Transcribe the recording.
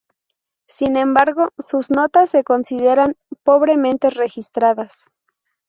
Sin embargo, sus notas se consideran "pobremente registradas".